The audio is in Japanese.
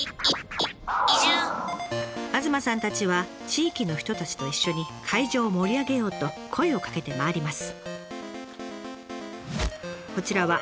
東さんたちは地域の人たちと一緒に会場を盛り上げようと声をかけて回ります。